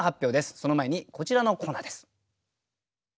その前にこちらのコーナーです。